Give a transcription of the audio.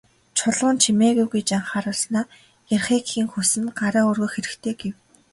Чулуун «Чимээгүй» гэж анхааруулснаа "Ярихыг хэн хүснэ, гараа өргөх хэрэгтэй" гэв.